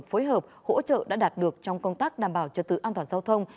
phối hợp hỗ trợ đã đạt được trong công tác đảm bảo trật tự an toàn giao thông